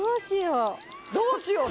どうしよう。